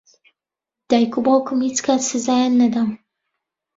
دایک و باوکم هیچ کات سزایان نەدام.